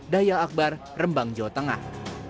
daya akbar rembang jawa tengah